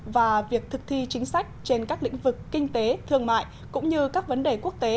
và việc thực thi chính sách trên các lĩnh vực kinh tế thương mại cũng như các vấn đề quốc tế